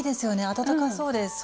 暖かそうです。